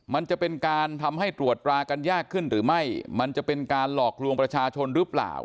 มันจะเป็นการทำให้ตรวจรากันยากขึ้นหรือไม่มันจะเป็นการหลอกลวงประชาชนหรือเปล่า